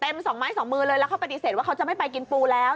สองไม้สองมือเลยแล้วเขาปฏิเสธว่าเขาจะไม่ไปกินปูแล้ว